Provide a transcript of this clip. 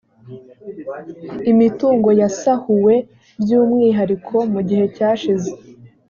imitungo yasahuwe by umwihariko mu gihe cyashize